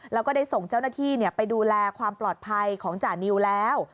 แล้วก็ได้ส่งเจ้าหน้าที่ไปดูแลความปลอดภัยของจานิวแล้ว